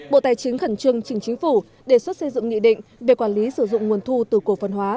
bộ tài chính khẩn trương trình chính phủ đề xuất xây dựng nghị định về quản lý sử dụng nguồn thu từ cổ phần hóa